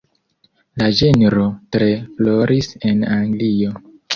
La ĝenro tre floris en Anglio.